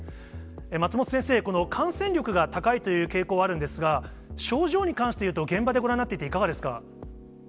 松本先生、感染力が高いという傾向はあるんですが、症状に関していうと、現場でご覧になっていて、いかがですか。